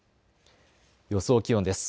予想気温です。